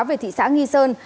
về thị xã nghi sơn